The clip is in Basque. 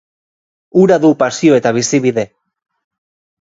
Hura du pasio eta bizibide.